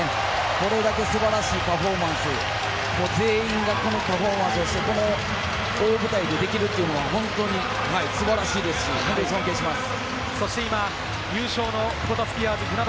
これだけ素晴らしいパフォーマンス、全員がこのパフォーマンスをしてこの大舞台でできるというのは本当に素晴らしいですし、尊敬します。